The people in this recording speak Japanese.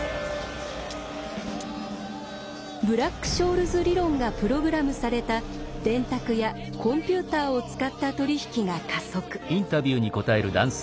ブラック・ショールズ理論がプログラムされた電卓やコンピューターを使った取り引きが加速。